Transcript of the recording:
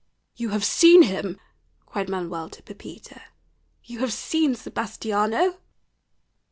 "You have seen him," cried Manuel to Pepita "you have seen Sebastiano?"